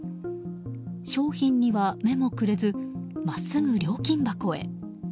商品には目もくれず真っすぐ料金箱へ。